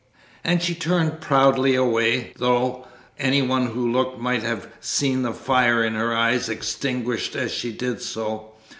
And she turned proudly away, though anyone who looked might have seen the fire in her eyes extinguished as she did so.